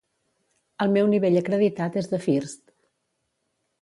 El meu nivell acreditat és de First.